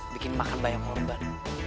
bikin makan banyak korban